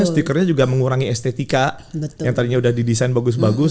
stikernya juga mengurangi estetika yang tadinya udah didesain bagus bagus